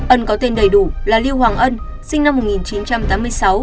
ân có tên đầy đủ là lưu hoàng ân sinh năm một nghìn chín trăm tám mươi sáu